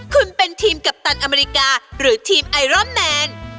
คุณเป็นทีมกัปตันอเมริกาหรือทีมไอรอนแมน